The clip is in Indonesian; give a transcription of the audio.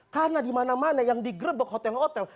karena dimana mana yang digerbek hotel hotel